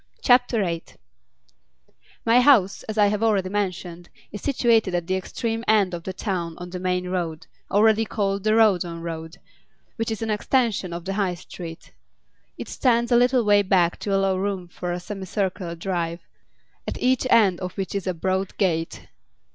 CHAPTER VIII My house, as I have already mentioned, is situated at the extreme end of the town on the main road, already called the Rowdon Road, which is an extension of the High Street. It stands a little way back to allow room for a semicircular drive, at each end of which is a broad gate.